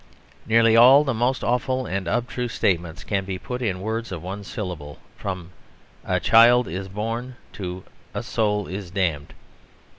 Nearly all the most awful and abstruse statements can be put in words of one syllable, from "A child is born" to "A soul is damned."